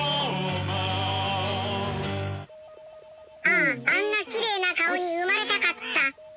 あああんなきれいな顔に生まれたかった。